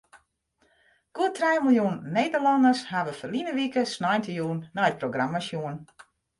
Goed trije miljoen Nederlanners hawwe ferline wike sneontejûn nei it programma sjoen.